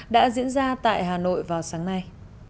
đã diễn ra tại hà nội vào sáng nay